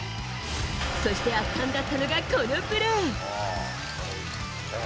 そして圧巻だったのがこのプレー。